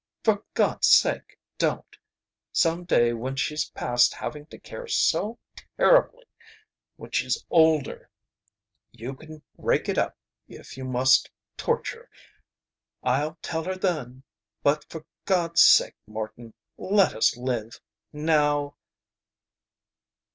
For God's sake, don't! Some day when she's past having to care so terribly when she's older you can rake it up if you must torture. I'll tell her then. But for God's sake, Morton, let us live now!"